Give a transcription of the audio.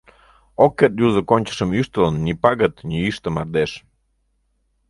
Ок керт юзо кончышым ӱштылын Ни пагыт, ни йӱштӧ мардеж.